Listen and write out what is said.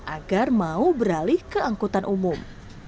agar mau beralih ke angkutan umum